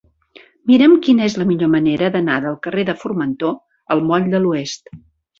Mira'm quina és la millor manera d'anar del carrer de Formentor al moll de l'Oest.